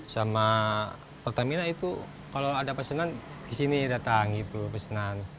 sama pertamina itu kalau ada pesenan di sini datang gitu pesenan